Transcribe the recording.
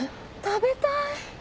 食べたい。